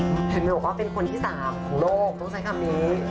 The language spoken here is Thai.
เห็นไหมว่าเป็นคนที่สำหรับของโลกต้องใส่คำนี้